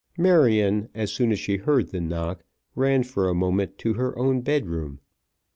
Marion, as soon as she heard the knock, ran for a moment to her own bed room.